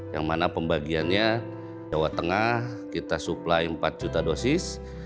yang mana pembagiannya jawa tengah kita suplai empat juta dosis